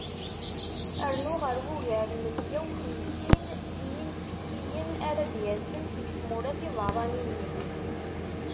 Rnu ɣer wugar n miyya u xemsin n yimttekkiyen ara d-yasen seg tmura tiberraniyin.